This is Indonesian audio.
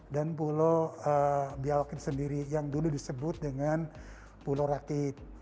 dan pulau bubiyawak itu sendiri yang dulu disebut dengan pulau rakit